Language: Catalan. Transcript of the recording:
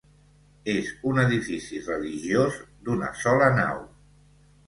És un edifici religiós d'una sola nau.